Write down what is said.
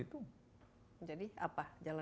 jadi apa jalan keluarnya